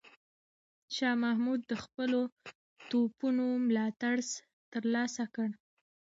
شاه محمود د خپلو توپونو ملاتړ ترلاسه کړ.